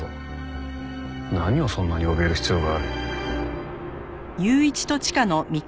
何をそんなにおびえる必要がある？